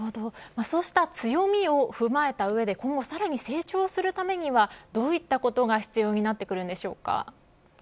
そうした強みを踏まえた上で今後さらに成長するためにはどういったことが必要になってくるんでしょうか。